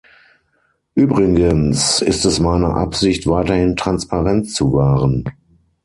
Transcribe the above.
Übrigens ist es meine Absicht, weiterhin Transparenz zu wahren.